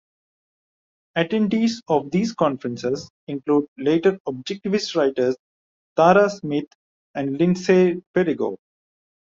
Attendees of these conferences include later Objectivist writers Tara Smith and Lindsay Perigo.